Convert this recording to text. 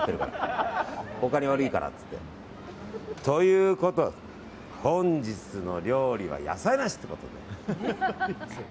他に悪いからって。ということで、本日の料理は野菜なしということで。